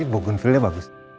ini bogan feelnya bagus